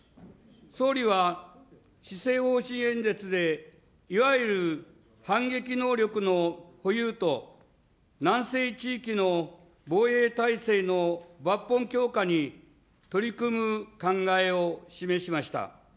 総理は、施政方針演説で、いわゆる反撃能力の保有と、南西地域の防衛体制の抜本強化に取り組む考えを示しました。